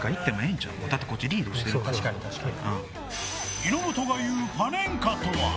井本が言う、パネンカとは？